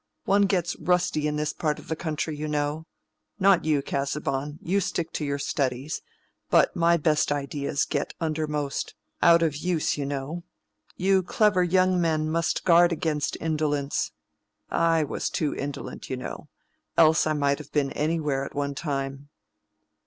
One gets rusty in this part of the country, you know. Not you, Casaubon; you stick to your studies; but my best ideas get undermost—out of use, you know. You clever young men must guard against indolence. I was too indolent, you know: else I might have been anywhere at one time."